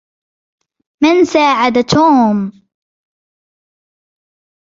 من ساعد توم؟